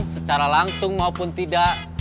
secara langsung maupun tidak